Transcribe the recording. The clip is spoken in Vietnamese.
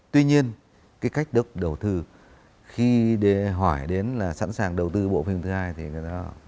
tuy nhiên cái cách được đầu tư khi để hỏi đến là sẵn sàng đầu tư bộ phim thứ hai thì người ta nói là